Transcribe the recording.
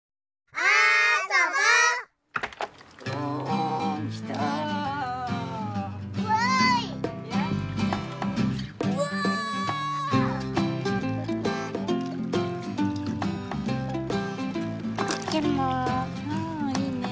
あいいね。